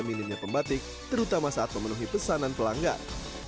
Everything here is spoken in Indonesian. minimnya pembatik terutama saat memenuhi pesanan pelanggan